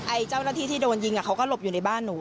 เจ้าหน้าที่ที่โดนยิงเขาก็หลบอยู่ในบ้านหนู